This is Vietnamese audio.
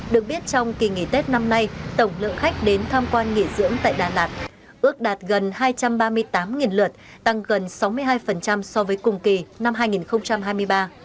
được biết trong kỳ nghỉ tết năm nay tổng lượng khách đến tham quan nghỉ dưỡng tại đà lạt ước đạt gần hai trăm ba mươi tám lượt tăng gần sáu mươi hai so với cùng kỳ năm hai nghìn hai mươi ba